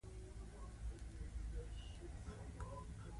که نیا درته څه وویل له مور یې مه پوښته.